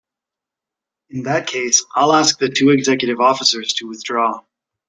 In that case I'll ask the two executive officers to withdraw.